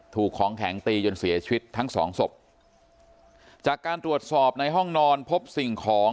ถูกของแข็งตีจนเสียชีวิตทั้งสองศพจากการตรวจสอบในห้องนอนพบสิ่งของ